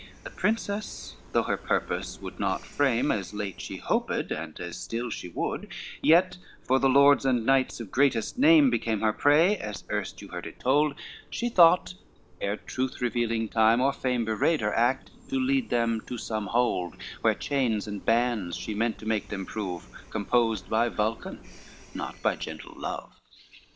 LXVI The princess, though her purpose would not frame, As late she hoped, and as still she would, Yet, for the lords and knights of greatest name Became her prey, as erst you heard it told, She thought, ere truth revealing time or frame Bewrayed her act, to lead them to some hold, Where chains and band she meant to make them prove, Composed by Vulcan not by gentle love.